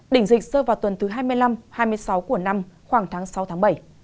đỉnh dịch sơ vào tuần thứ hai mươi năm hai mươi sáu của năm khoảng tháng sáu bảy